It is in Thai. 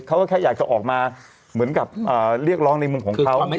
เขาก็แค่อยากจะออกมาเหมือนกับเรียกร้องในมุมของเขา